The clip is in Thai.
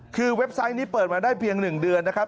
คือเว็บไซต์นี้เปิดมาได้เพียง๑เดือนนะครับ